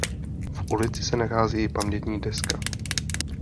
V ulici se nachází i pamětní deska.